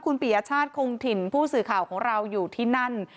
คุณปียชาติคงถิ่นผู้สื่อข่าวของเราอยู่ที่นั่น